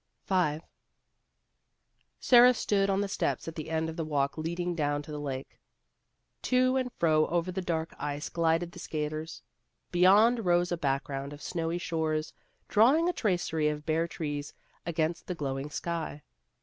Sara stood on the steps at the end of the walk leading down to the lake. To and fro over the dark ice glided the skaters. Beyond rose a background of snowy shores drawing a tracery of bare trees against the glowing sky.